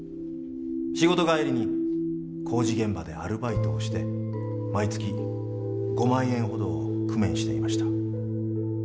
仕事帰りに工事現場でアルバイトをして毎月５万円ほどを工面していました。